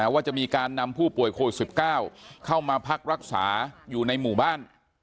ว่าจะมีการนำผู้ป่วยโควิด๑๙เข้ามาพักรักษาอยู่ในหมู่บ้าน